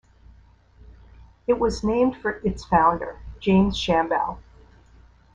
It was named for its founder, James Shambaugh.